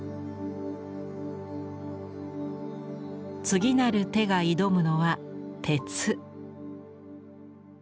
次なる手が挑むのは鉄。